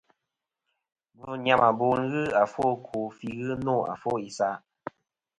Gvɨ̂ nyàmàbo nɨn ghɨ àfo ɨkwo fî ghɨ nô àfo isaʼ.